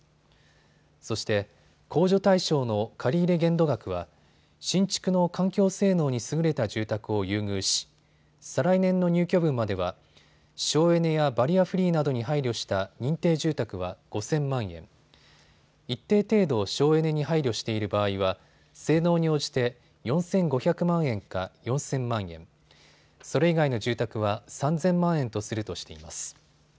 そして、控除対象の借り入れ限度額は新築の環境性能に優れた住宅を優遇し、再来年の入居分までは省エネやバリアフリーなどに配慮した認定住宅は５０００万円、一定程度、省エネに配慮している場合は性能に応じて４５００万円か４０００万円、それ以外の住宅は３０００万円とするとしています。